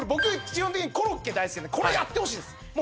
僕コロッケ大好きなんでこれやってほしいです。